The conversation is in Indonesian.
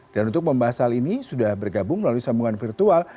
dan untuk membahas hal ini sudah bergabung melalui sambungan virtual